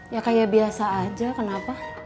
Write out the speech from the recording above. ya kayak biasa aja kenapa